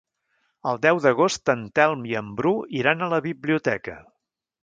El deu d'agost en Telm i en Bru iran a la biblioteca.